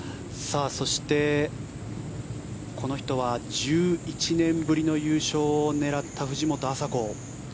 そして、この人は１１年ぶりの優勝を狙った藤本麻子。